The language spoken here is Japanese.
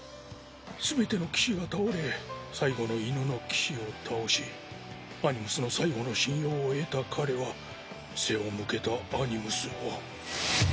全ての騎士が倒れ最後の犬の騎士を倒しアニムスの最後の信用を得た彼は背を向けたアニムスを。